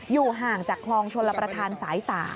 อยู่ห่างจากคลองชลประธานสาย๓